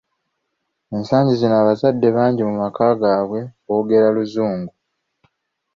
Ensangi zino abazadde bangi mu maka gaabwe boogera luzungu.